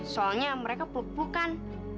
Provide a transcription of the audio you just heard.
soalnya mereka peluk pelukan